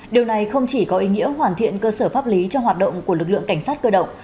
điều này không chỉ có ý nghĩa hoàn thiện cơ sở pháp lý cho hoạt động của lực lượng cảnh sát cơ động